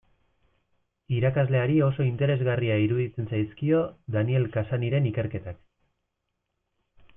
Irakasleari oso interesgarria iruditzen zaizkio Daniel Cassanyren ikerketak.